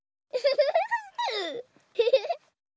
フフフ。